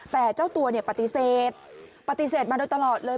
แต่เจ้าตัวปฏิเสธปฏิเสธมาโดยตลอดเลย